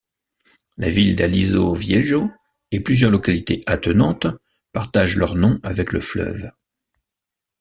La ville d'Aliso Viejo et plusieurs localités attenantes partagent leur nom avec le fleuve.